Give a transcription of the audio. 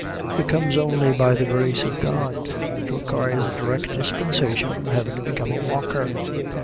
It comes only by the grace of God. It requires a direct dispensation from Heaven to become a walker.